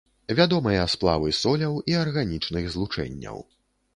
Вядомыя сплавы соляў і арганічных злучэнняў.